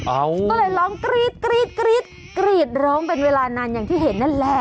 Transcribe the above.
เอาก็เลยร้องกรี๊ดกรี๊ดกรี๊ดกรีดร้องเป็นเวลานานอย่างที่เห็นนั่นแหละ